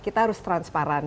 kita harus transparan